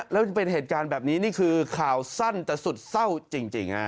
แล้วจะเป็นเหตุการณ์แบบนี้นี่คือข่าวสั้นแต่สุดเศร้าจริงฮะ